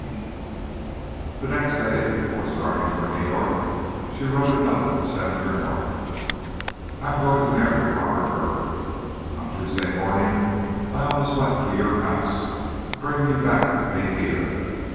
XVII The next day, before starting for New York, she wrote a note to Senator North: I am going to marry Robert Burleigh. On Tuesday morning I almost went to your house to bring you back with me here.